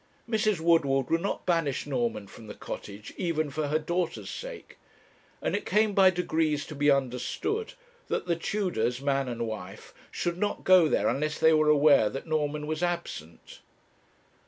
Mrs. Woodward would not banish Norman from the Cottage, even for her daughter's sake, and it came by degrees to be understood that the Tudors, man and wife, should not go there unless they were aware that Norman was absent.